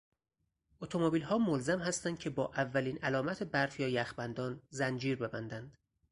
اتومبیلها ملزم هستند که با اولین علامت برف یا یخبندان زنجیر ببندند.